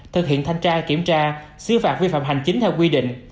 thực hiện thanh tra kiểm tra xứ phạt vi phạm hành chính theo quy định